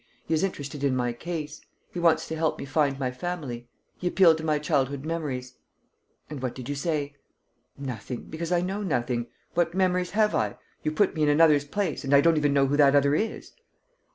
He is interested in my case. He wants to help me find my family. He appealed to my childhood memories." "And what did you say?" "Nothing, because I know nothing. What memories have I? You put me in another's place and I don't even know who that other is."